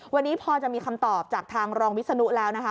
วันนี้พอจะมีคำตอบจากทางรองวิศนุแล้วนะคะ